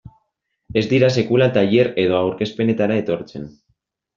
Ez dira sekula tailer edo aurkezpenetara etortzen.